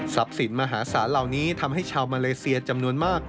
สินมหาศาลเหล่านี้ทำให้ชาวมาเลเซียจำนวนมาก